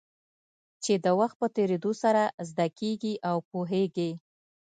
چې د وخت په تېرېدو سره زده کېږي او پوهېږې.